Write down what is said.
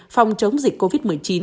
phòng chống dịch covid một mươi chín